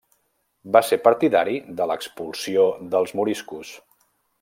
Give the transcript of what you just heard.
Va ser partidari de l'expulsió dels moriscos.